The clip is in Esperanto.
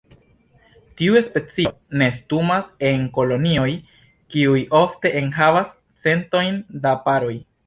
Tiu specio nestumas en kolonioj, kiuj ofte enhavas centojn da paroj.